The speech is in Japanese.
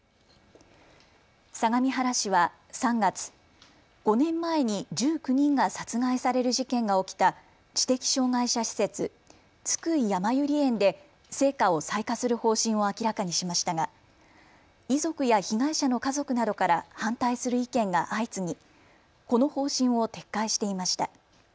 相模原市は３月、５年前に１９人が殺害される事件が起きた知的障害者施設、津久井やまゆり園で聖火を採火する方針を明らかにしましたが遺族や被害者の家族などから反対する意見が相次ぎこの方針を撤回していました。